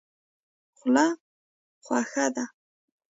خوله خوښه ده.